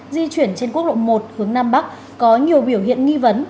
di chuyển trên quốc lộ một hướng nam bắc có nhiều biểu hiện nghi vấn